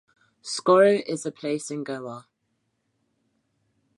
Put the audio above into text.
Soccoro is a place in Goa.